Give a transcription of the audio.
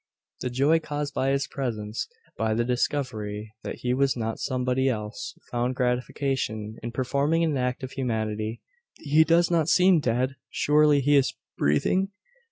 The joy caused by his presence by the discovery that he was not somebody else found gratification in performing an act of humanity. "He does not seem dead. Surely he is breathing?"